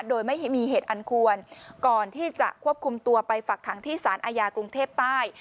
โดยไม่มีเหตุอันควรก่อนที่จะควบคุมตัวไปฝักขังที่สารอาญากรุงเทพใต้